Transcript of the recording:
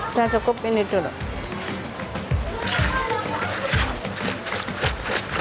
udah cukup ini dulu